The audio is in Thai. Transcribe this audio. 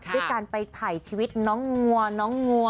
ด้วยการไปถ่ายชีวิตน้องงัวน้องงัว